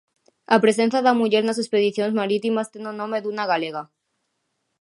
A presenza da muller nas expedicións marítimas ten o nome dunha galega.